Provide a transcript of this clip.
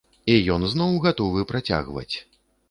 І ён зноў гатовы працягваць.